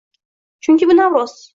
Chunki bu – Navro’z!